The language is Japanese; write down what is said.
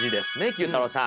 ９太郎さん。